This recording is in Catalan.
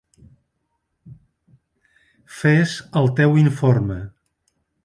Fes el teu informe.